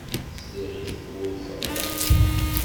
Sliɣ i tewwurt teɣleq.